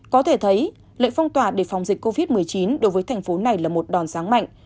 có thể thấy lệnh phong tỏa để phòng dịch covid một mươi chín đối với thành phố này là một đòn ráng mạnh